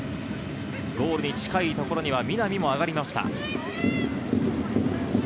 ゴールに近いところには南も上がりました。